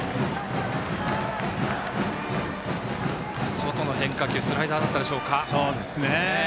外の変化球スライダーだったでしょうか。